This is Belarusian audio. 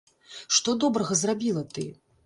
Што добрага зрабіла ты?